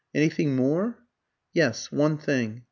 "Anything more?" "Yes, one thing.